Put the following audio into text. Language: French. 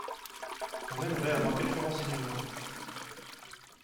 On aimerait avoir quelques renseignements.